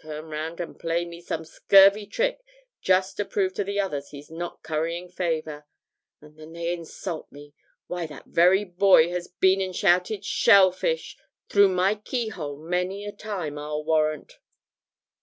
Turn round and play me some scurvy trick, just to prove to the others he's not currying favour. And then they insult me why, that very boy has been and shouted "Shellfish" through my keyhole many a time, I'll warrant!'